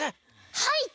はい！